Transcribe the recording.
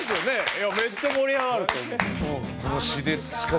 いやめっちゃ盛り上がると思う。